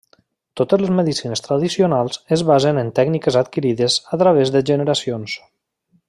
Totes les medicines tradicionals es basen en tècniques adquirides a través de generacions.